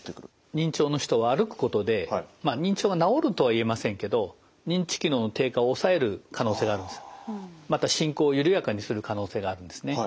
認知症の人は歩くことで認知症が治るとは言えませんけどまた進行を緩やかにする可能性があるんですね。